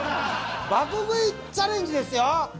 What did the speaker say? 爆食いチャレンジですよ。